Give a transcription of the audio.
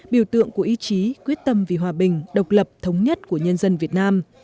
biểu tượng của ý chí quyết tâm vì hòa bình độc lập thống nhất của nhân dân việt nam